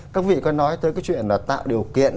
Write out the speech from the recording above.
các vị có nói tới cái chuyện là tạo điều kiện